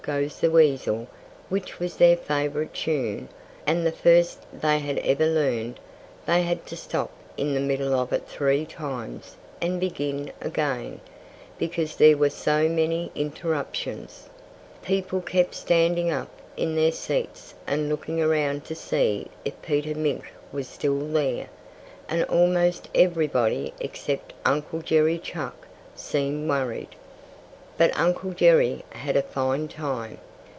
Goes the Weasel!" which was their favorite tune, and the first they had ever learned they had to stop in the middle of it three times, and begin again, because there were so many interruptions. People kept standing up in their seats and looking around to see if Peter Mink was still there. And almost everybody except Uncle Jerry Chuck seemed worried. But Uncle Jerry had a fine time.